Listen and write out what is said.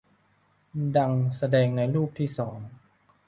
ดังแสดงในรูปที่สอง